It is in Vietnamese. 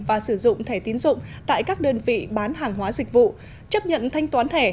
và sử dụng thẻ tiến dụng tại các đơn vị bán hàng hóa dịch vụ chấp nhận thanh toán thẻ